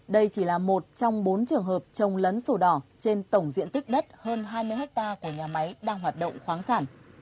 đây chỉ là một trong bốn trường hợp trồng lấn sổ đỏ trên tổng diện tích đất hơn hai mươi ha của nhà máy đang hoạt động khoáng sản